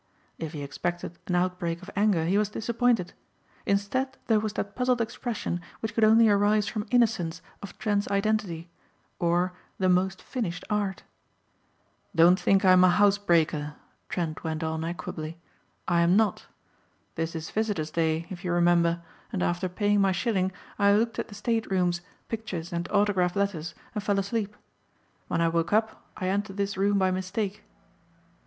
If he expected an outbreak of anger he was disappointed. Instead there was that puzzled expression which could only arise from innocence of Trent's identity or the most finished art. "Don't think I am a housebreaker," Trent went on equably, "I am not. This is visitors day if you remember and after paying my shilling I looked at the state rooms, pictures and autograph letters and fell asleep. When I woke up I entered this room by mistake."